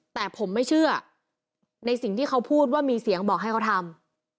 แต่ผมไม่เชื่อในสิ่งที่เขาพูดว่ามีเสียงบอกให้เขาทำ